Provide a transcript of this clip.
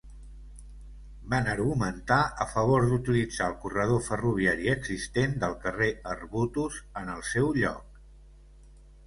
Van argumentar a favor d'utilitzar el corredor ferroviari existent del carrer Arbutus en el seu lloc.